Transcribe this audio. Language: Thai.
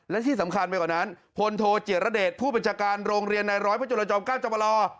และที่สำคัญไปกว่านั้นพลโทเจียรเดชผู้บัญชาการโรงเรียนในร้อยพระจุลจอม๙จบล